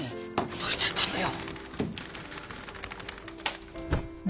どうしちゃったのよ？